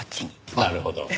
なるほど。